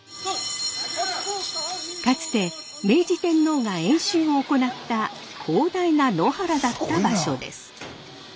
かつて明治天皇が演習を行った広大な野原だった場所です。